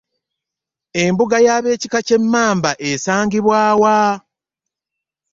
embuga y'abekika ky'emmamba esangibwa wa?